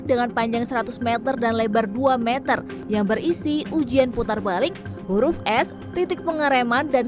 dengan panjang seratus m dan lebar dua meter yang berisi ujian putar balik huruf s titik pengereman dan